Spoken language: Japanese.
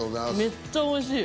めっちゃおいしい。